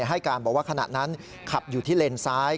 ให้การบอกว่าขณะนั้นขับอยู่ที่เลนซ้าย